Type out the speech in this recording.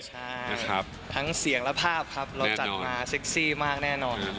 ใช่ทั้งเสียงและภาพครับเราจัดมาเซ็กซี่มากแน่นอนครับ